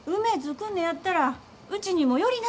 来んねやったらうちにも寄りなさい。